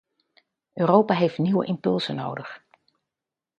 Europa heeft nieuwe impulsen nodig.